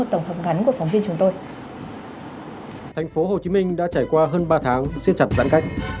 thành phố hồ chí minh đã trải qua hơn ba tháng siê chặt giãn cách